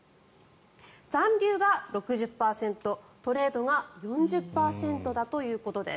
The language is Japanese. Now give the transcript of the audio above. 残留が６０％トレードが４０％だということです。